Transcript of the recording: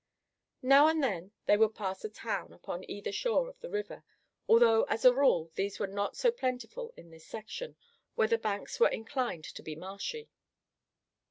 Now and then they would pass a town upon either shore of the river, although as a rule these were not so plentiful in this section, where the banks were inclined to be marshy.